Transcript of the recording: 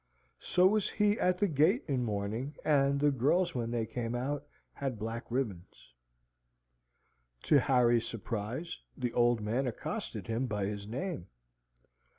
So was he at the gate in mourning, and the girls when they came out had black ribbons. To Harry's surprise, the old man accosted him by his name.